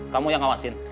kamu yang awasin